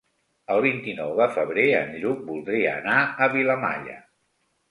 El vint-i-nou de febrer en Lluc voldria anar a Vilamalla.